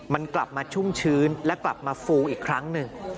มันกลับมาชุ่มชื้นและกลับมาฟูอีกครั้งหนึ่ง